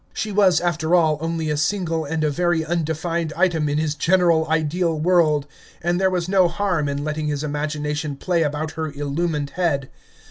She was, after all, only a single and a very undefined item in his general ideal world, and there was no harm in letting his imagination play about her illumined head.